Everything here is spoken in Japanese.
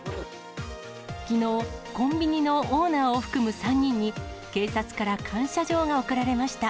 きのう、コンビニのオーナーを含む３人に、警察から感謝状が贈られました。